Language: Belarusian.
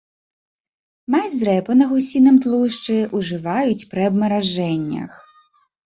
Мазь з рэпы на гусіным тлушчы ўжываюць пры абмаражэннях.